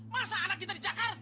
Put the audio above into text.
masa anak kita dijakar